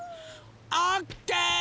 オッケー！